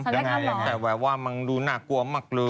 แต่แหวะว่ามันดูน่ากลัวมากเลย